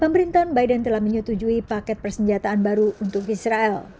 pemerintahan biden telah menyetujui paket persenjataan baru untuk israel